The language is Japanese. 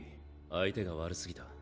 相手が悪すぎた。